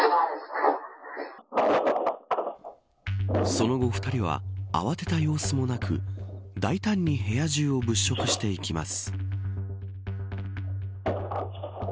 その後２人は慌てた様子もなく大胆に部屋中を物色していきます。